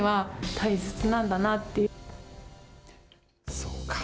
そうか。